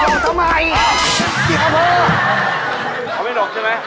เอาไม่หลบใช่ไหม